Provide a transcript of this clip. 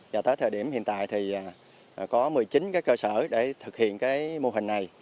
và tới thời điểm hiện tại thì có một mươi chín cơ sở để thực hiện mô hình này